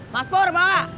mas pur ma